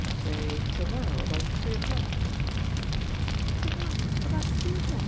"Say, to morrow about three o'clock." "To morrow, about three o'clock, M.